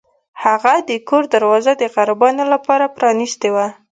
هغه د کور دروازه د غریبانو لپاره پرانیستې وه.